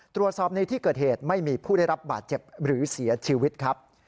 ตรวจสอบในที่เกิดเหตุไม่มีผู้ได้รับบาดเจ็บหรือเสียชีวิตครับ